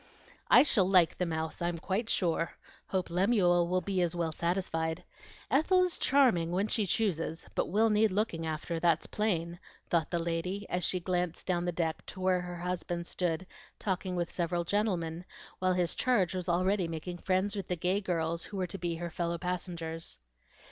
"I shall like the Mouse, I'm quite sure. Hope Lemuel will be as well satisfied. Ethel is charming when she chooses, but will need looking after, that's plain," thought the lady as she glanced down the deck to where her husband stood talking with several gentlemen, while his charge was already making friends with the gay girls who were to be her fellow passengers.